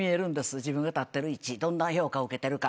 自分が立ってる位置どんな評価を受けてるか。